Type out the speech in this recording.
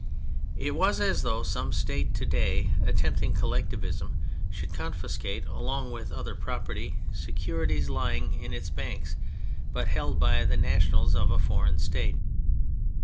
It was as though some State to day, attempting Collectivism, should confiscate, along with other property, 112 THE FRENCH REVOLUTION securities lying in its banks, but held by the nationals of a foreign State.